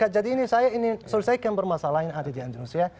jadi ini saya ini selesaikan bermasalah yang ada di indonesia